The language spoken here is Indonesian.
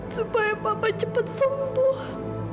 supaya papa cepat sembuh